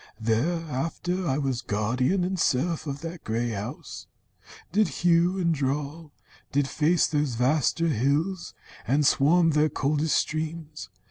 "Thereafter I was guardian and serf Of that grey house; did hew and draw, did face Those vaster hills, and swam their coldest streams.